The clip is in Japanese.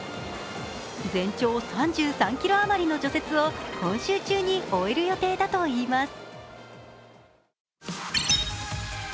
全長３３ｋｍ余りの除雪を今週中に終える予定だといいます。